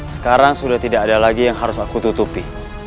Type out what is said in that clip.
sekarang sudah tidak ada lagi yang harus aku tutupi